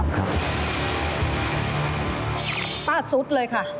ป้าซุดเลยค่ะ